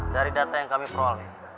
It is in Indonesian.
dari data yang kami peroleh